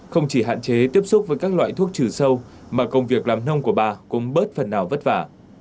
không chỉ hạn chế tiếp xúc với các loại thuốc trừ sâu mà công việc làm nông của bà cũng bớt phần nào vất vả